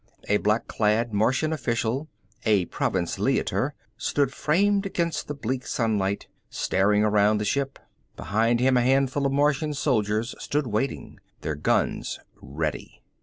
A black clad Martian official, a Province Leiter, stood framed against the bleak sunlight, staring around the ship. Behind him a handful of Martian soldiers stood waiting, their guns ready.